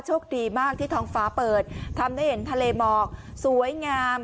โชคดีมากที่ท้องฟ้าเปิดทำได้เห็นทะเลหมอกสวยงาม